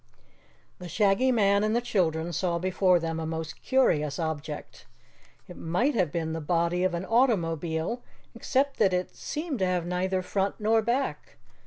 The Shaggy Man and the children saw before them a most curious object. It might have been the body of an automobile, except that it seemed to have neither front nor back.